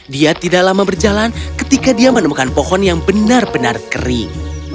dia tidak lama berjalan ketika dia menemukan pohon yang benar benar kering